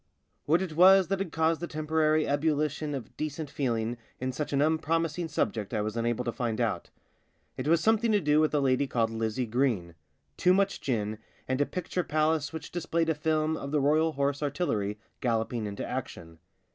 What it was that had caused a temporary ebullition of decent feeling in such an un promising subject I was unable to rind out. It was something to do with a lady called Lizzie Green, too much gin, and a picture palace which displayed a film of the Royal Horse Artillery galloping into action.